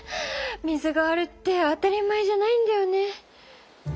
水があるって当たり前じゃないんだよね。